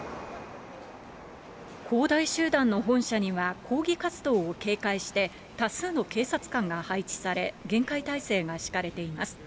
恒大集団の本社には、抗議活動を警戒して、多数の警察官が配置され、厳戒態勢が敷かれています。